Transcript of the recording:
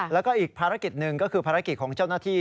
แล้วก็อีกภารกิจหนึ่งก็คือภารกิจของเจ้าหน้าที่